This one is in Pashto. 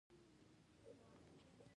غرشین په پښتنو کښي يو ستانه قوم دﺉ.